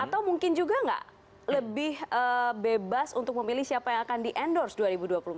atau mungkin juga nggak lebih bebas untuk memilih siapa yang akan di endorse dua ribu dua puluh empat